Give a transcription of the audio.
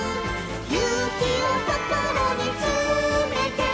「ゆうきをこころにつめて」